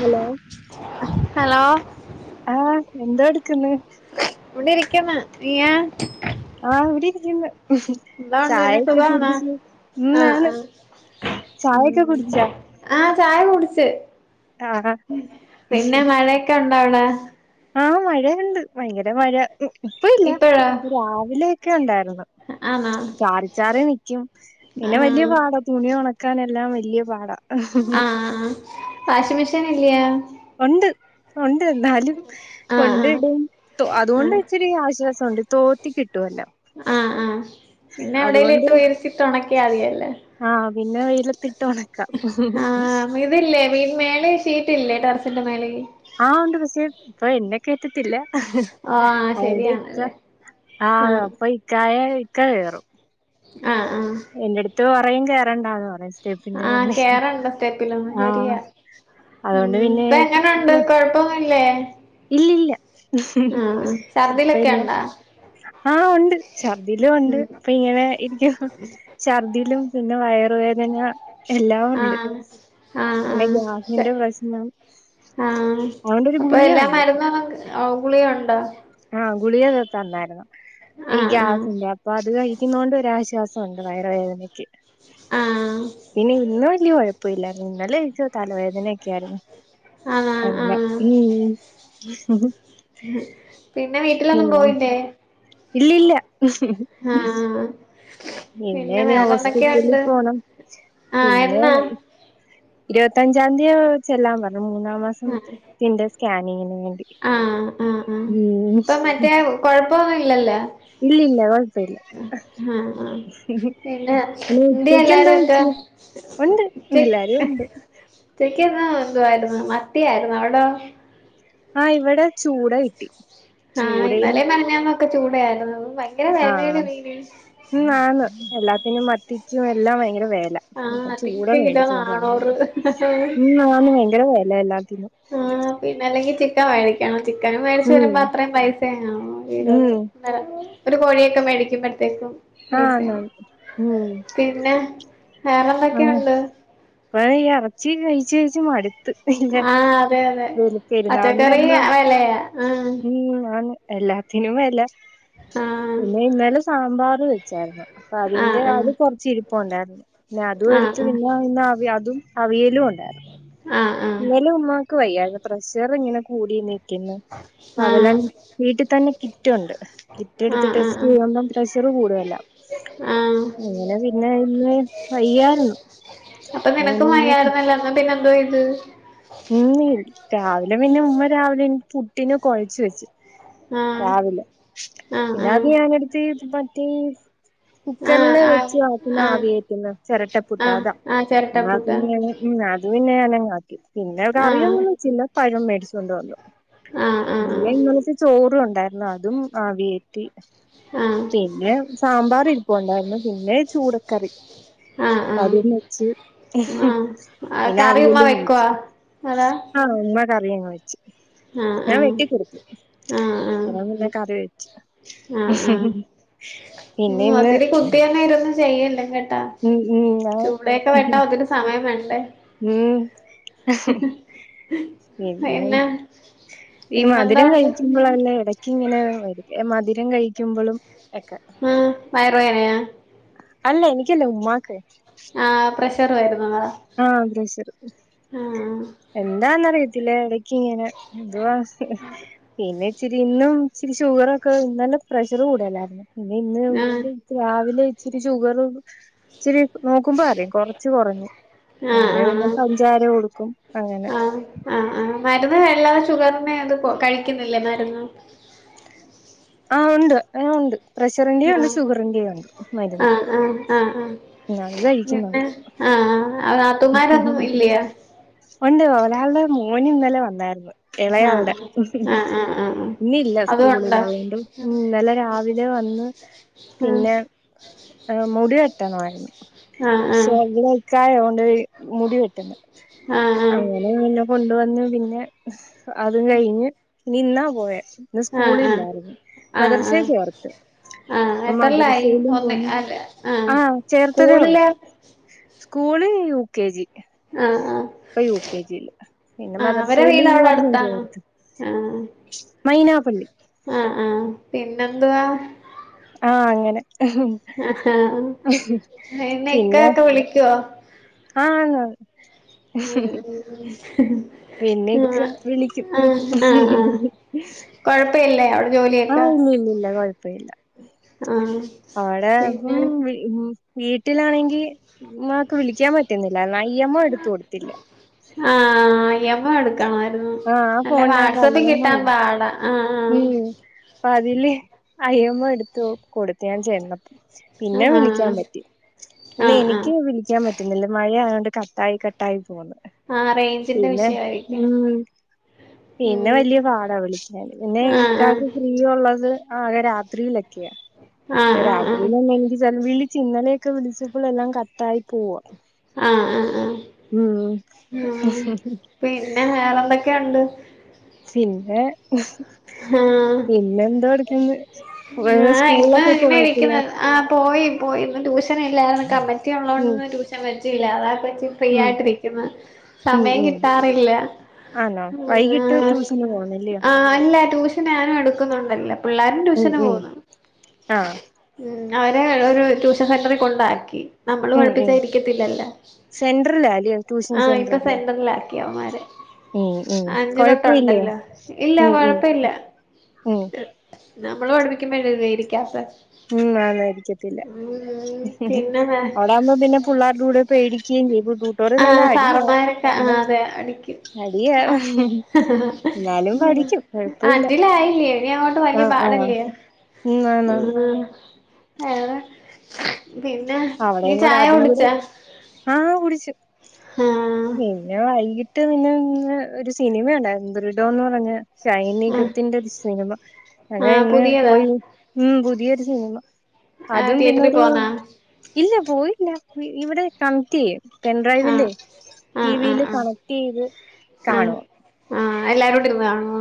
Hello hello ആഹ് എന്തോ എടുക്ക്ന്ന് ഇവിടെ ഇരിക്കന്ന് നീയോ ആ ഇവിടെ ഇരിക്ക്ന്ന് എന്താ ഉണ്ട് പിന്നെ ചായൊക്കെ സുഖാണോ കുടിച്ചു ഉം ആഹ് ആണ് ആഹ് ചായ ഒക്കെ ഉം കുടിച്ചോ ആഹ് ചായ കുടിച്ച് ആഹ് പിന്നെ മഴയൊക്കെ ഉണ്ടോ അവിടെ ആഹ് മഴയിണ്ട്. ഭയങ്കരമഴ ഇപ്പോ ഇല്ല. ഇപ്പഴോ രാവിലെയൊക്കെ ഒണ്ടായിരുന്നു. ആണോ ചാറിച്ചാറിനിക്കും. പിന്നെ ആഹ് വല്ല്യപാടാ തുണി ഒണക്കാനെല്ലാം വല്ല്യപാടാ. ആഹ് ആഹ്, വാഷിങ് മെഷീനില്ല്യോ? ഒണ്ട് ഒണ്ട്, എന്നാലും ആഹ് ആഹ് കൊണ്ടയിടും. അതുകൊണ്ട് ആഹ് ഇച്ചിരി ആശ്വാ സൊണ്ട്. തോർത്തി കിട്ടുവല്ലോ. ആഹ് ആഹ്, പിന്നെ അതുകൊണ്ട് എവിടേലിട്ട് വിരിച്ചിട്ട് ഒണക്ക്യ മതിയല്ലോ. ആഹ്, പിന്നെ വെയിലത്തിട്ട് ഒണക്കാം. ആഹ് ഇതില്ലേ വീട് മേലെ ഷീറ്റ്ല്ലേ ടെറസിന്റെമേലേ? ആഹ് ഒണ്ട് പക്ഷേ ഇപ്പൊ എന്നെ കേറ്റത്തില്ല. ഓഹ് ആഹ് അവ്ടെ ഇക്ക ശരിയാണല്ലേ ആഹ് അപ്പൊ ഇക്കായെ ഇക്ക കേറും. ആഹ് ആഹ് എന്റെട്ത്ത് പറയും കേറണ്ടാന്ന് പറയും സ്റ്റെപ്പിന്റെ ആഹ് മണ്ടേ കേറണ്ട സ്റ്റെപ്പിലൊന്നും ആഹ് ശെരിയാ. ഉം അതുകൊണ്ട് പിന്നെ ഇപ്പ എങ്ങനൊണ്ട്? കൊഴ പോവാനില്ലേ? ഇല്ലില്ല, ഛർദിലൊക്കെ ഇപ്പഇല്ല ഉണ്ടാ ആഹ് ഒണ്ട്. ഛർദ്ദിലുമുണ്ട് ഉം ഇപ്പ ഇങ്ങനെ ഇരിക്കുവ ചർദ്ദിലും പിന്നെ വയറുവേദന എല്ലാം ഒണ്ട്. ആഹ് ആഹ് പിന്നെ ആഹ് ശ ഗ്യാസിന്റെ പ്രശ്നം ആഹ് അതുകൊണ്ടൊരു അപ്പൊ ഗുളിക എല്ലാ ഉണ്ട് മരുന്നും ഓഹ് ഗുളികണ്ടോ? ആഹ്, ഗുളിക നിർത്തണ്ടായിരുന്നു ഈ ആഹ് ആഹ് ഗ്യാസിന്റെ. അപ്പൊ അത് കഴിക്ക്ന്നോണ്ടൊരാശ്വാസൊണ്ട് വയറ് വേദനക്ക്. ആഹ് പിന്നെ ഇന്ന് വല്ല്യ കൊഴപ്പൊല്ലായിരുന്നു. ഇന്നലെ എനിക്ക് തലവേദനൊക്കായിരുന്നു. ആഹ് അല്ല ആഹ് ഉം [unintelligible] പിന്നെ വീട്ടിലൊന്നും പിന്നെ പോയില്ലേ? ഇല്ലില്ല [unintelligible] ആഹ് പിന്നെ ഇനി ഹോസ്പിറ്റലിൽ വേറെന്തൊക്കെയ്ണ്ട്? പോണം ആഹ്, എന്നാ? ഇരുവത്തഞ്ചാന്തിയ ചെല്ലാൻ പറഞ്. മൂന്നാം മാസം ത്തിന്റെ സ്കാനിങ്ങിന്. വേണ്ടി ആഹ് ആഹ് ആഹ്, ഉം ഇപ്പൊ മറ്റേ കൊഴപ്പൊന്നുല്ലല്ലാ? ഇല്ലില്ല കൊഴപ്പല്ല ആഹ് ആഹ് ആഹ് പിന്നെ, പിന്നെ എന്തേ ഉച്ചക്ക് എന്താ എല്ലാരൊക്കെ? വെച്ചേ ഉണ്ട് ച്ചക്ക് എല്ലാരും ഉണ്ട് [unintelligible] ഉച്ചയ്ക്കന്നാ എന്തുവായിരുന്നു മത്തി ആയിരുന്നു. അവടൊ? ആഹ്, ഇവടെ ചൂട കിട്ടി. ആഹ് ചൂടയും ഇന്നലെ മെനഞ്ഞാന്നൊക്കെ ചൂടയായിരുന്നു. വൈ ആഹ് ഉം ആന്ന് എല്ലാത്തിനും മത്തിക്കും എല്ലാം ഭയങ്കര വെല ആഹ് ഇന്നിപ്പ ചൂട അതിക്ക് കിലോ മേടിച്ചോണ്ട് വന്ന്. നാണൂറ് ഇന്നാണെ ഭയങ്കര വെല എല്ലാത്തിനും. ആഹ് പിന്നല്ലെങ്കി ചിക്കൻ വേടിക്കണം. ചിക്കനും മേടിച്ച് ഉം വരുമ്പോ അത്രയും പൈസന്നാവും. ഉം വീടോൾക്ക് ഒരു കോഴിയൊക്കെ മേടിക്കുമ്പത്തേക്കും ആന്ന് ആന്ന് ഉം പിന്നെ, വേറെന്തൊക്കെയുണ്ട്? ഇവടെ ഈ എറച്ചിം കഴിച്ച് കഴിച്ച് മട്ത്ത്. ആഹ് അതെ അതെ, പച്ചക്കറി അന്ന് ആവാല്ലെ ആഹ് ഉം ആണ് എല്ലാത്തിനും വെല. ആഹ് പിന്നെ ഇന്നലെ സാമ്പാറ് വെച്ചായിരുന്നു. അതിന്റെ ആഹ് അത് കൊറച്ച് ഇരിപ്പോണ്ടേ പിന്നെ അതുഎടുത്ത് ആഹ് പിന്നെ ആഹ് ഇന്നാ അവി അതും- അവീയലും ഉണ്ടായിരുന്നു ആഹ് ഇന്നലെ ഉമ്മാക്ക് വയ്യായിരുന്നു പ്രഷറിങ്ങനെ കൂടി നിക്ക് ആഹ് പകലോണ്ട് വീട്ടി തന്നെ കിറ്റൊണ്ട് കിറ്റെട്ത്ത് ആഹ് ടെസ്റ്റ് ആഹ് ചെയ്യുമ്പം പ്രഷറ് കൂടുതലാ ആഹ് ഇങ്ങനെ പിന്നെ ഇന്ന് വയ്യായിരുന്നു പിന്നെ - വയ്യാരുന്നല്ലല്ലോ അപ്പ പിന്നെ എന്തോ ചെയ്ത് ഇന്ന് രാവിലെ പിന്നെ ഉമ്മ രാവിലെ പുട്ടിന് കൊഴച്ച് വെച്ചു ആഹ് രാവിലെ പിന്നെ അത് ആഹ് ഞാനടുത്ത് മറ്റേ- കുക്കറില് ആഹ് വെച്ച് ആക്കുന്ന ആവി കയറ്റുന്ന ചെരട്ടപ്പുട്ടാ അതാ- ചിരട്ടപ്പുട്ട. ആഹ് ആഹ് ചിരട്ടപ്പുട്ട് ഉം അത് പിന്നെ ഞാനങ്ങാക്കി പിന്നെ ആഹ് കറിയൊന്നും വെച്ചില്ല പഴം മേടിച്ചു കൊണ്ട് വന്നു ആഹ് ആഹ് പിന്നെ ഇന്നലത്തെ ചോറും ഒണ്ടായിരുന്നു അതും ആവികേറ്റി ആഹ് പിന്നെ സാമ്പാറ് ഇരുപ്പുണ്ടായിരുന്നു പിന്നെ ചൂടക്കറി ആഹ് അതും വെച്ച് ആഹ് ആ പിന്നെ കറി ഉമ്മ വെക്കൊ - ഹലോ ആഹാ ഉമ്മ കറിയങ്ങ് വെച്ചു ഞാൻ ആഹ് വെട്ടിക്കൊടുത്തു ആഹ് ആഹ് ഉമ്മ പിന്നെ കറി വെച്ചു ആഹ് ആഹ് പിന്നെ ഇന്ന്- അപ്പ [unintelligible] ഞാനിതൊന്നും ചെയല്ല ചൂട ഉം ഉം ഞാൻ ചുട യൊക്കെ വെട്ടാൻ ഒത്തിരി സമയം വേണ്ടെ ഉം പിന്നെ [unintelligible] ഈ മധുരം കഴിക്ക് ഉള്ളതല്ലേ എടക്ക് ഇങ്ങനെ വരും മധുരം കഴിക്കുമ്പളും ഒക്കെ- വയറ് വേനയോ അല്ല എനിക്കല്ലേ ഉമ്മാക്ക് ആ പ്രഷറ് വരുന്നതാ ആഹ് പ്രഷറ് ആ എന്താന്നറിയത്തില്ലേ എടക്കിങ്ങനെ എന്തുവാ- പിന്നെ ഇച്ചിരി ഇന്നും ഷുഗറൊക്കെ ഇന്നലെ പ്രഷർ കൂടുലാരുന്നു പിന്നെ ആ ഇന്ന്- രാവിലെ ഇച്ചിരി ഷുഗറും ഇച്ചിരിനോക്കുമ്പോ അറിയാം കൊറച്ച് കൊറഞ്ഞു ആ അങ്ങനെ പിന്നെ പഞ്ചാര കൊടുക്കും അങ്ങനെ ആഹ് ആഹ് മരുന്ന് അല്ലാതെ ഷുഗറിനെ അത് കയിക്കുന്നില്ലേ മരുന്ന് ആഹ് ഒണ്ട് ആഹ് ഒണ്ട് പ്രഷറിന്റെ ആ ഒണ്ട് ഷുഗറിന്റെ ഒണ്ട് ആ മരുന്ന് ആ ആ ആ അത് കഴിക്കുന്നു പിന്നെ ആഹ് ആഹ് അത് ആന് ഒണ്ട് ഒരാളുടെ മോന് ഇന്നലെ വന്നായിരുന്നു എളേ ആ ആളുടെ ആ ആ ആ ആ ഇന്നില്ല അതും സ്കൂളില് ഉണ്ടോ അതൊണ്ട്‌ ഇന്നലെ രാവിലെ- ദെ വന്ന് ആഹ് ആ മുടി വെട്ടണമായിരുന്നു ആ പക്ഷെ [unintelligible] മുടി വെട്ടുന്നത് ആഹ് ആഹാ പിന്നെ ന്നെ കൊണ്ടുവന്ന് പിന്നെ അതു കയിഞ്ഞ് ഇന്നാ പോയെ ഇന്നലെ ആ സ്കൂളില്ലായിരുന്നു ആ ആ മദർസയെ ആ ചേർത്ത് ആഹ് ഇപ്പം എത്രല്ലായി മദരസേലും ഒന്ന് പോണ് അല്ല ആഹ് ആഹ ചേർത്തതേള്ളു. സ്കൂളില് സ്കൂളിൽ യു കെ ജി ആഹ് ആഹ് ഇപ്പൊ യു കെ ജിയില് പിന്നെ ആഹ് അവരെ മദ്രസയില് വീട് ഈ അവിടെ വർഷം അടുത്താണോ ചേർത്ത്. ആഹ് മൈനാപ്പള്ളി ആഹ ആഹ പിന്നെന്താ ആഹ അങ്ങനെ ആഹ് ഉംഹ് പിന്നെ ഇക്കാക്കെ വിളിക്കോ? ആഹ് ഉം ഉം പിന്നെ ഉം ഇക്ക ആഹ് വിളിക്കും ആഹ് ആഹ് ആഹ് കൊഴപ്പയില്ലേ അവിടെ ജോലിയൊക്കെ ആഹ് ഇല്ല ഇല്ല ഇല്ല കെഴപ്പ ഇല്ല ആഹ് അവടെ ഫുൾ പിന്നെ [unintelligible] ഉ വീട്ടിലാണെങ്കിൽ ഉമ്മാക്ക് വിളിക്കാൻ പറ്റുന്നില്ല. ഐ എമ്മോ എടുത്ത് കൊടുത്തില്ല. ആഹ ഐ മ്മേ എടുക്കണമായിരുന്നു ആഹ് ആ നല്ല ഫോണിനകത്ത് ഐ വാട്സപ്പ എമ്മോ കിട്ടാൻ ഇല്ല പാടാ. ആഹ് ഉം അപ്പൊ അതില് ഐ മ്മേ എടുത്തു കൊടുത്തു ഞാൻ ചെന്നപ്പം. പിന്നെ ആഹ് വിളിക്കാൻ ആഹ് പറ്റി പിന്നെ ആഹ് ആഹ് എനിക്ക് വിളിക്കാൻ പറ്റി. പിന്നല്ല മഴയ ആയതുകൊണ്ട് കട്ടായി കട്ടായി പോകുന്നു. ആഹ് റേഞ്ചിന്റെ പിന്നെ വിഷയമായിരിക്കും ഉം പിന്നെ ഉം വലിയ പാടാ വിളിക്കാൻ. പിന്നെ ആഹ് ആഹ് ഇക്കാക്ക് ഫ്രീ ഉള്ളത് ആകെ രാത്രിയിലക്കെ ഇല്ല ആഹ് ആഹ് ആഹ് രാത്രിലന്നെങ്കി ചെലവില് ചിന്നലൊക്കെ വിളിച്ചപ്പോൾ എല്ലാം കട്ടായി പോവാ. ആഹ ആഹ ആഹ ഉം ആ പിന്നെ വേറെന്തൊക്കെയുണ്ട്? പിന്നെ ആഹ് പിന്നെ എന്താ ട്ക്കന്ന് [unintelligible] സ്കൂളൊക്കെ പോയ പിള്ളേര് ആ പോയി പോയി ഇന്ന് ട്യൂഷന ഇല്ലായിരുന്നു കമ്മിറ്റി ഉം ഉള്ളതോണ്ട് ട്യൂഷൻ വെച്ചില്ല [unintelligible] പറ്റി ഫ്രീ ഉം ആയിട്ടിരിക്കുന്നു ഉം സമയം ഉം കിട്ടാറില്ല. ആണോ വൈകിട്ട് ട്യൂഷന് പോണല്ലയോ [unintelligible] ആ അല്ല ട്യൂഷൻ ഞാനും എടുക്കുന്നുണ്ടല്ലോ പിള്ളാരും ഉം ട്യൂഷന് ഉം പോകുന്നു. ആഹ് ഉം അവരെ ഒരു ട്യൂഷൻ സെന്ററിൽ കൊണ്ടാക്കി. നമ്മള് ഉം പഠിപ്പിച്ച ഉം ഇരിക്കത്തില്ലല്ലേ സെന്ററിലാ അല്ലയോ ട്യൂഷൻ ആഹ ഇപ്പ സെന്ററില് സെന്ററില അവമ്മാരെ ഉം ഉം അഞ്ചു തൊട്ട കൊഴപ്പ ഇല്ലേ ഉണ്ടല്ലോ ഇല്ല ഉം ഉം കൊഴപ്പല്ല പ്പല്ല ഉം നമ്മള് പഠിപ്പിക്കുമ്പോഴല്ലേ ഇരിക്കാത്തെ ഉം നന്നായിരിക്കത്തില്ല ഉ പിന്നെ വേ അവിടെ ആകുമ്പോ പിന്നെ പിള്ളേരുടെ കൂടെ പേടിക്കുകയും ചെയ്യു കൂട്ടോർ നല്ല ആഹ് അടിയാ. സാറമാരൊക്കെ പിന്നെ ആഹ് അതെ അടിക്കും അടിയ ആഹ് എന്നാലും പഠിക്കും കൊഴപ്പല്ല. അഞ്ചിലായില്ലേ ഇനി അങ്ങോട്ട് വലിയ പാടല്ലേ ഉം ആണ് ആണ് ഉം ഏതാ പിന്നെ നീ ചായ കുടിച്ചാ? ആഹ് കുടിച്ചു [unintelligible] പിന്നെ വൈകിട്ട് നിന്നെ ഒരു സിനിമയുണ്ടായിരുന്നു ദൃഡോന്ന് പറഞ്ഞ ആഹ് സൈനികത്തിന്റെറ ഒരു സിനിമ അങ്ങനെ ആഹ് ഇന്ന് പുതിയതാ പോയി. ഉം പുതിയൊരു സിനിമ ആഹ് അതും തിയേറ്ററിൽ പിന്നെരു പോന്നാ ഇല്ല പോയില്ല ഇവിടെ കണറ്റയ്യ പെൻ ആഹ് ഡ്രൈവില്ലേ ടി ആഹ് വിൽ ആഹ് ആഹ് കണക്ട് ചെയ്ത് ആഹ് കാണുവാ ആഹ് എല്ലാരും കൂടി ഇര്ന്ന് കാണോ?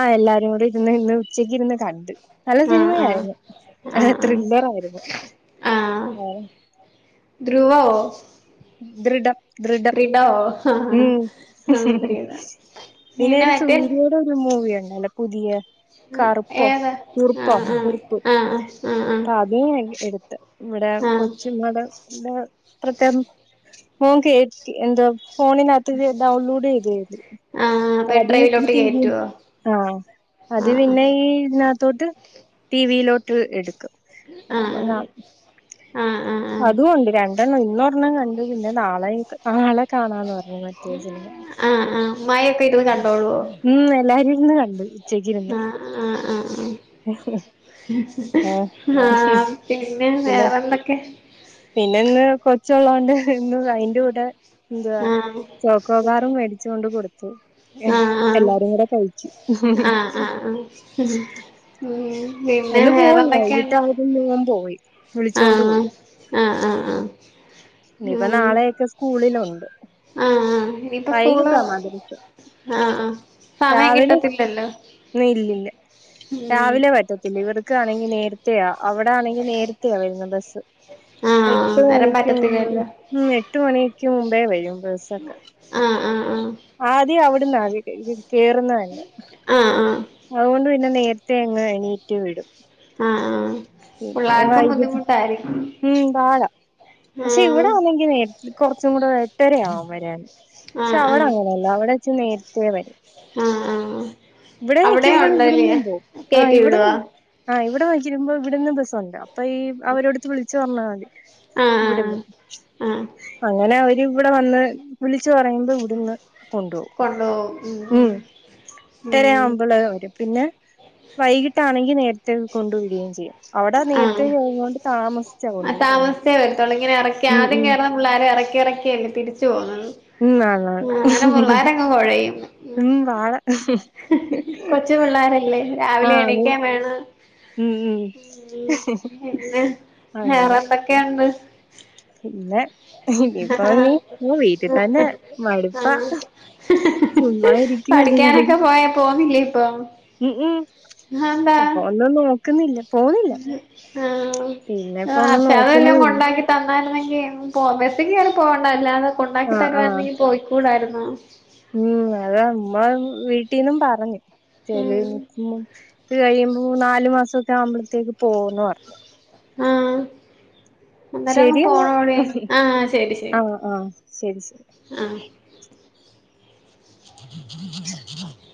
ആഹ എല്ലാരും കൂടി ഇരുന്ന് ഇന്ന് ഉച്ചക്ക് ഇരുന്ന് കണ്ട് നല്ല ആഹ് ആഹ് സിനിമയായിരുന്നു ആഹ് ആഹ് ത്രില്ലറ ആയിരുന്നു ആഹ് ഏ ധ്രുവവോ ദൃഢം ദൃഢം ദ്രിഡവോ ആഹ് ഉം ആഹ് ദ്രിഡ പിന്നെ ഒരു സൂര്യ പ്പൊരു മൂവിയ ഉണ്ടല്ലോ പുതിയ കറുപ്പോ കുറുപ്പോ കുറു ആഹ അപ്പ അത എടുത്ത് ഇവിടെ ആഹ് കൊച്ചി മ ഇത്രയ ഓൻ കേറ്റി എന്ത ഫോണന് ആത്ത ഡൗൺലോഡ ചെയ്തോ ആഹ് കരുതി പെൺഡ്രൈവിലോട്ട് അത് കേറ്റുവോ ആഹ അത് ആഹ് പിന്നെ ഈ തോട്ട് ടിവിയിലോട്ട് എടുക്കും ആഹ് ഞാ ആഹ് ആഹ് ആഹ് അതുണ്ട് രണ്ടെണ്ണം ഇന്ന ഒരെണ്ണം കണ്ട് പിന്നെ നാളെയ ആ ആളെ കാണാന്ന് പറഞ്ഞു മറ്റേ സിനിമ ഉമ്മയൊക്കെ ഇരുന്ന് കണ്ടോളൊ ഉം എല്ലാരും ഇര്ന്ന് കണ്ട് ആഹ ആഹ ആ ആഹ് ആഹ പിന്നെ വേറെന്തൊക്കെ പിന്നെ ഇന്ന് കൊച്ചോള്ളാണ്ട് ഇന്ന് അതിന്റെ കൂടെ എന്തവാ ആഹ് ചോക്കോബാ റും മേടിച്ചു കൊണ്ട് കൊടുത്തു ഏ ആഹ് ആഹ് എല്ലാരും കൂടെ കഴിച്ചു ആഹ് ആഹ് ആഹ് ഉം ഉം ഏ പിന്നെ ഇന്ന് പോവണ്ടോ വേറെന്തൊക്കെയുണ്ട് ന്നിട്ട് [unintelligible] പോയി വിളിച്ചുകൊണ്ട് പോയി ആ ആ ആ ഇനിപ്പൊ നാളെയൊക്കെ സ്കൂളിലുണ്ട് ആഹ ആ് ഇനിയിപ്പ സ്കൂള് വൈകിട്ടാ മദ്രസ ആഹ ആ സമയം രാവിലെ കിട്ടത്തില്ലല്ലോ ഇല്ലില്ല ഉം രാവിലെ പറ്റത്തില്ല ഇവർക്കാണെങ്കി നേര യാ അവിടെ ആണെങ്കിൽ നേരത്തെയ വരുന്ന ബസ്സ് ആഹ വരൻ പറ്റത്ത എട്ട് മണിക്ക് മുമ്പേ വരും ബസ്സ് ആഹ ആഹ ആഹ ആദ്യം അവിടന്നദ്യ കേറുന്നെ തന്നെ ആഹ് ആഹ് ആഹ് അതുകൊണ്ട് പിന്നെ നേരത്തെ അങ്ങ് എണീറ്റ് വിടും ആഹ ആഹാ പിന്നെ പിള്ളാർക്കും വൈകിട്ട് ബുദ്ധിമുട്ടായിരിക്കും ഉം പാട പക്ഷെ ആഹ് ഇവിടെ ഒണെങ്കിൽ നേ കുറച്ചും കൂടെ എട്ടരയാകും വരാന് പക്ഷെ ആഹ് അവിടെ അങ്ങ് ല്ലോ അവിടെ വച്ചു നേരിത്തേ വരും ആഹ ആഹാ ഇവിടെ അവിടെ നിക്കുമ്പോൾ ഉണ്ടല്ല ഇവിടുന്നും പോകും ആഹ് കയറ്റി ഇവിടെ വിടുവാ ആഹ് ഇവിടെ വജ്ജിടുമ്പോ ഇവിടുന്ന് ബസ്സുണ്ട് അപ്പൊ ഈ അവരോടുത്ത് വിളിച്ചു പറഞ്ഞാൽ മതി ആഹ് ആഹ് ഇവിടുന്ന് ആഹ് ആഹ് അങ്ങനെ അവര് ഇവിടെ വന്ന് വിളിച്ചു പറയുമ്പോ ഇവിടുന്ന് കൊണ്ടോകും ഉം ഒട്ടര ഉം ആവുമ്പോൾ വര് പിന്നെ വൈകിട്ടാണെങ്കിൽ നരത്തെ കൊണ്ട വിടുകയും ചെയും അവിടെ ആഹ് നേരത്തെ ക കൊണ്ട് താമസിച്ചാ കൊണ്ടുവിടുന്നത് രത്തെ വരുത്തോള്ളു ഇങ്ങെ ഇറക്ക ആദ്യം കേറുന്ന പിള്ളേരെ ഇറക്കി ഇറക്കിയല്ലേ തിരി പോകന്ന ഉം ആണാണ് അങ്ങനെ പിള്ളോരങ്ങെ കൊഴയും ന്ന് ഉം കൊച്ചു പിള്ളോരല്ലേ രാവിലെ ആഹ് എണീക്കേ വേണം ഉം ഉം ഉം പിന്നെ വേറെ അങ്ങനെ എന്തൊക്കെയുണ്ട് പിന്നെ ഇനിയിപ്പോ നീ വീട്ടിൽ തന്നെ മടുപ്പ ആഹ് സുമ്മാരി പഠിക്കാനൊക്കെ പോയ പോന്നില്ലേ ഇപ്പം ഉം ഉം അതെന്താ ഇ പ്പൊ ഒന്നും നോക്കുന്നില്ല പോന്നില്ല പിന്നെ ഇപ്പൊ ആഹ് ഒന്നും അർഷാതെല്ലാ നോക്കുന്നുല്ല കൊണ്ടാക്കി തന്നായിരുന്നെങ്കി പോ ബസ്സിക്കേറി പോവണ്ട അല്ലാതെ കൊണ്ടാക്കി ആഹ് ആഹ് തരുവായിരുന്നെങ്കി പോയ്ക്കൂടായിരുന്നോ ഉം അത ഉമ്മ വീട്ടീന്നും പറഞ് ചെ ഉം [unintelligible] ത്ത് കഴിയുമ്പോ നാല് മാസൊക്കെ ആവുമ്പളത്തേക്ക് പോന്നോ പറഞ്ഞു ആഹ് അന്നെരം പോണോവിടെ ആഹ് ശരി ശരി അ ആഹ് ശരി ശരി ആഹ് [unintelligible]